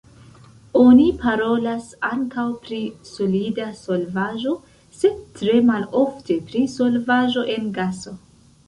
Oni parolas ankaŭ pri solida solvaĵo, sed tre malofte pri solvaĵo en gaso.